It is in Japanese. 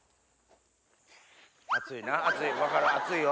熱いな熱い分かる熱いよ。